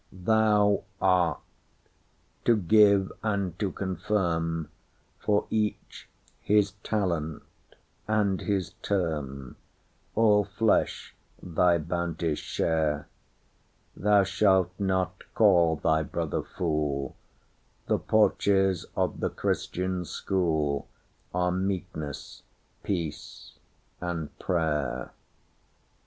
'Thou art—to give and to confirm, For each his talent and his term; All flesh thy bounties share:Thou shalt not call thy brother fool:The porches of the Christian schoolAre meekness, peace, and prayer.